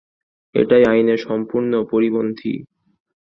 এটা আইনের সম্পূর্ণ পরিপন্থী।